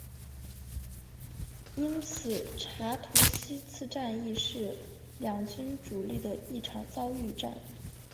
因此查图西茨战役是两军主力的一场遭遇战。